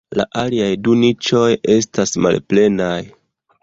La aliaj du niĉoj estas malplenaj.